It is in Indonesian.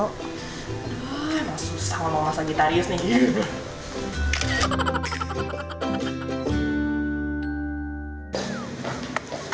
aduh susah banget masa gitarius nih